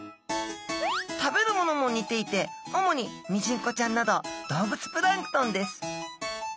食べるものも似ていて主にミジンコちゃんなど動物プランクトンです。